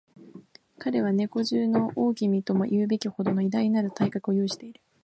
彼は猫中の大王とも云うべきほどの偉大なる体格を有している